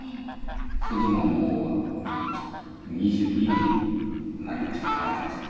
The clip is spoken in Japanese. それでももう２２になりましたなってましたから。